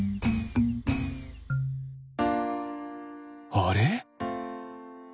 あれ？